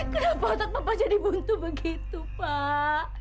kenapa otak bapak jadi buntu begitu pak